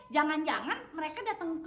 jangan jangan mereka datang ke rumahnya